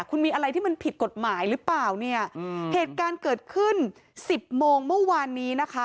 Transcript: คุณมีอะไรที่มันผิดกฎหมายหรือเปล่าเนี่ยเหตุการณ์เกิดขึ้นสิบโมงเมื่อวานนี้นะคะ